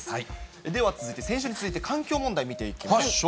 では続いて先週に続いて、環境問題見ていきましょう。